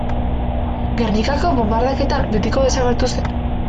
Gernikako bonbardaketan betiko desagertu zen.